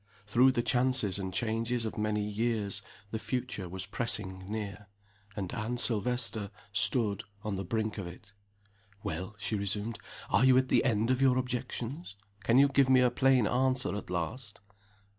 Through the chances and changes of many years, the future was pressing near and Anne Silvester stood on the brink of it. "Well?" she resumed. "Are you at the end of your objections? Can you give me a plain answer at last?"